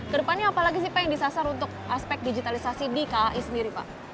kedepan apalagi pak yang disasar aspek digitalisasi di kai sendiri